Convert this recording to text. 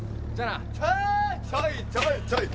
ちょい！